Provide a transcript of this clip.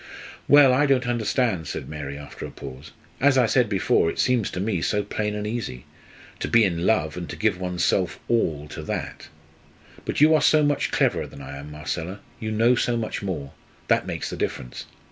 "Well, I don't understand," said Mary, after a pause. "As I said before, it seems to me so plain and easy to be in love, and give one's self all to that. But you are so much cleverer than I, Marcella, you know so much more. That makes the difference.